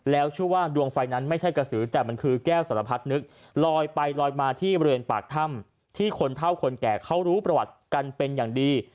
แล้วเชื่อว่าดวงไฟนั้นไม่ใช่กระสือแต่มันคือแก้วสารพัดนึกลอยไปลอยมาที่บริเวณปากถ้ำที่คนเท่าคนแก่เขารู้ประวัติกันเป็นอย่างดี